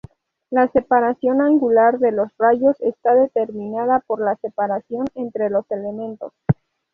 La separación angular de los rayos está determinada por la separación entre los elementos.